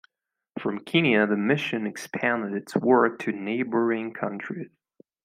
From Kenya, the mission expanded its work to neighboring countries.